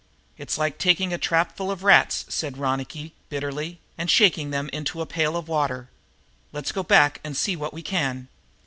"It's like taking a trap full of rats," said Ronicky bitterly, "and shaking them into a pail of water. Let's go back and see what we can."